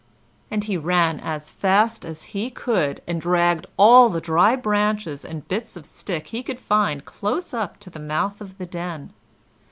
And he ran as fast as he could, and dragged all the dry branches and bits of stick he could find close up to the mouth of the den.